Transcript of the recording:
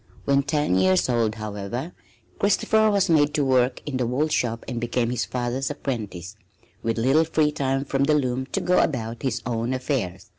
When ten years old, however, Christopher was made to work in the wool shop and became his father's apprentice, with little free time from the loom to go about his own affairs.